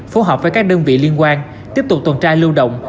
phối hợp với các đơn vị liên quan tiếp tục tuần tra lưu động